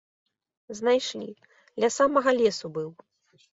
Знайшлі, ля самага лесу быў.